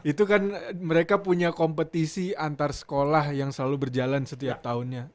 itu kan mereka punya kompetisi antar sekolah yang selalu berjalan setiap tahunnya